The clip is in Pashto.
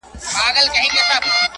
نو پیاده څنګه روان پر دغه لار دی-